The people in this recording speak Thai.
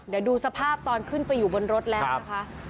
เดี๋ยวดูสภาพตอนขึ้นไปอยู่บนรถแล้วนะคะ